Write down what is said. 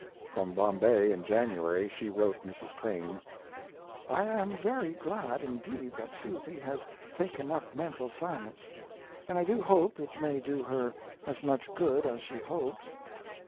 From Bombay, in January, she wrote Mrs. Crane: I am very glad indeed that Susy has taken up Mental Science, and I do hope it may do her as much good as she hopes.